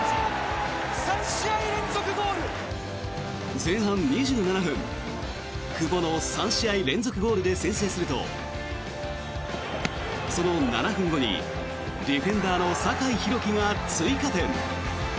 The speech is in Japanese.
前半２７分久保の３試合連続ゴールで先制すると、その７分後にディフェンダーの酒井宏樹が追加点。